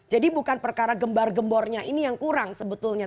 jadi bukan perkara gembar gembornya ini yang kurang sebetulnya